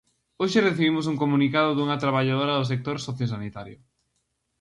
Hoxe recibimos un comunicado dunha traballadora do sector sociosanitario.